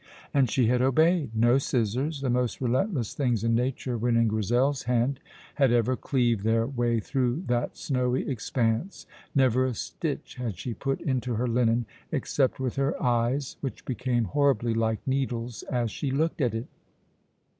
And she had obeyed; no scissors, the most relentless things in nature when in Grizel's hand, had ever cleaved their way through that snowy expanse; never a stitch had she put into her linen except with her eyes, which became horribly like needles as she looked at it.